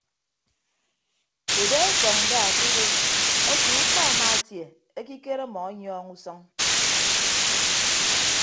Udọ ekọñ nda ke udo ete ukpa amaatie ekikere ọmọ ọnyọọñ usʌñ.